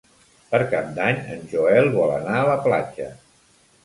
Per Cap d'Any en Joel vol anar a la platja.